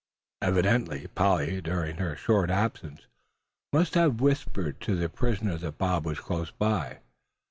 Evidently Polly during her short absence must have whispered to the prisoner that Bob was close by.